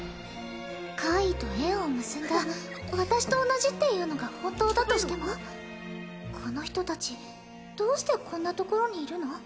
怪異と縁を結んだ私と同じっていうのが本当だとしてもこの人達どうしてこんな所にいるの？